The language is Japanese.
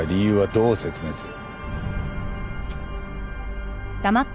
どう説明する？